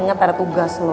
ingat ada tugas lo